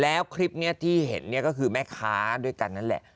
แล้วคลิปนี้ที่เห็นก็คือแม่ค้าด้วยกันนั่นแหละ